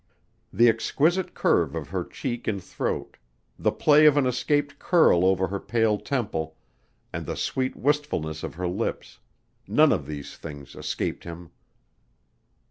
The exquisite curve of her cheek and throat; the play of an escaped curl over her pale temple and the sweet wistfulness of her lips: none of these things escaped him.